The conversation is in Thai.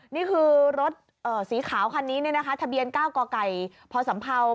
นี่คือรถสีขาวคันนี้ทะเบียน๙กพศ๘๒๙๘